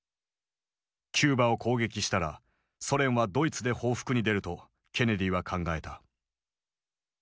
キューバを攻撃したらソ連はドイツで報復に出るとケネディは考えた。